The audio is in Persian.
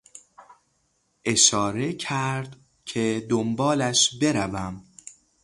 اشاره کرد که دنبالش بروم.